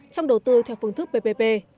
trong đầu tư theo phương thức ppp